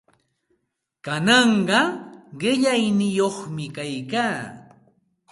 Kananqa qillayniyuqmi kaykaa.